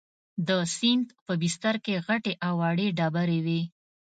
د سیند په بستر کې غټې او وړې ډبرې وې.